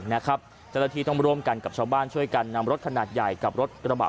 เจ้าหน้าที่ต้องร่วมกันกับชาวบ้านช่วยกันนำรถขนาดใหญ่กับรถกระบะ